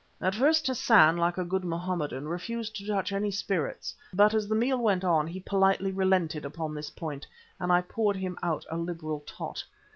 At first Hassan, like a good Mohammedan, refused to touch any spirits, but as the meal went on he politely relented upon this point, and I poured him out a liberal tot.